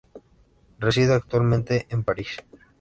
Reside actualmente en París.